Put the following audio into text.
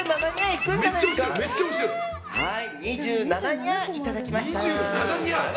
ニャーいただきました。